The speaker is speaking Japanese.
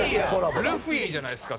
ルフィじゃないですか？